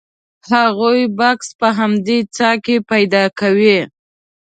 هغوی بکس په همدې څاه کې پیدا کوي.